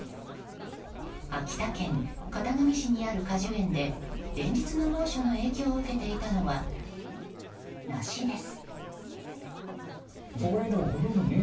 秋田県潟上市にある果樹園で連日の猛暑の影響を受けていたのは、梨です。